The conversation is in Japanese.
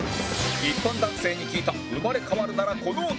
一般男性に聞いた生まれ変わるならこの男